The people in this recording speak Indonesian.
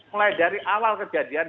mulai dari awal kejadian